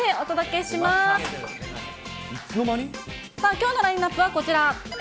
きょうのラインナップはこちら。